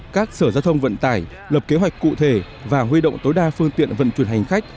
các sở giao thông vận tải lập kế hoạch cụ thể và huy động tối đa phương tiện vận chuyển hành khách